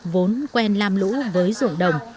vốn quen làm lũ với vườn đồng